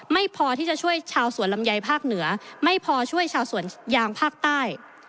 ไม่พอที่จะช่วยชาวสวนลำไยภาคเหนือไม่พอช่วยชาวสวนยางภาคใต้